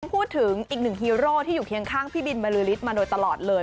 พูดถึงอีกหนึ่งฮีโร่ที่อยู่เคียงข้างพี่บินบรือฤทธิ์มาโดยตลอดเลย